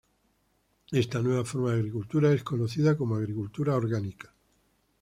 Esta nueva forma de agricultura es conocida como Agricultura Orgánica.